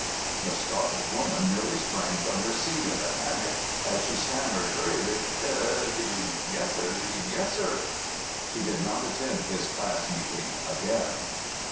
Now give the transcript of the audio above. The startled woman nearly sprang from her seat in a panic as she stammered hurriedly: " Yes, sir; yes, sir." She did not attend his class meeting again.